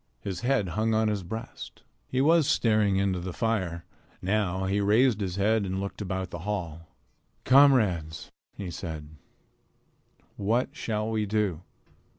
His head hung on his breast. He was staring into the fire. Now he raised his head and looked about the hall. "Comrades," he said, "what shall we do?